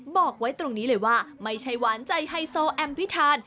บอกไว้ตรงนี้เลยว่าไม่ใช่หวานใจไฮโซแอมพิธาน